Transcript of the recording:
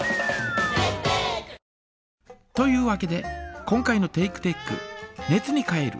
というわけで今回のテイクテック「熱に変える」